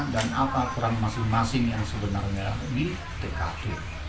dan apa peran masing masing yang sebenarnya di tkt